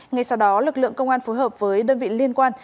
ngay sau đó lực lượng công an phối hợp với đơn vị liên quan